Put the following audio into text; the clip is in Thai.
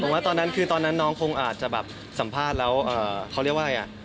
ผมว่าตอนนั้นคือตอนนั้นน้องคงอาจจะแบบสัมภาษณ์แล้วเขาเรียกว่าอะไรอ่ะ